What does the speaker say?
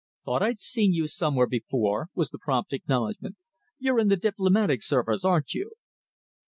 "Thought I'd seen you somewhere before," was the prompt acknowledgment. "You're in the Diplomatic Service, aren't you?"